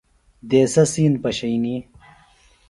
دیسہ سِین پشئنی۔